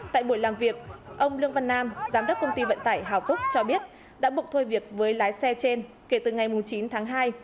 tại buổi làm việc ông lương văn nam giám đốc công ty vận tải hào phúc cho biết đã bục thôi việc với lái xe trên kể từ ngày chín tháng hai